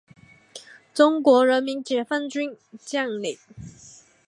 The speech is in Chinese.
中国人民解放军将领。